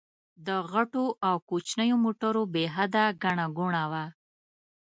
د غټو او کوچنيو موټرو بې حده ګڼه ګوڼه وه.